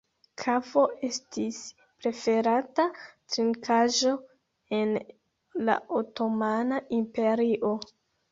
Kafo estis preferata trinkaĵo en la otomana imperio.